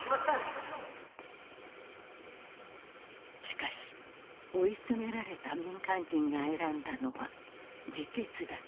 しかし追い詰められた民間人が選んだのは自決だった。